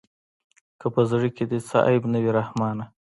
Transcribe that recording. که په زړه کښې دې څه عيب نه وي رحمانه.